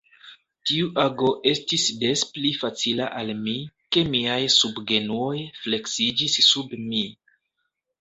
Tiu ago estis des pli facila al mi, ke miaj subgenuoj fleksiĝis sub mi.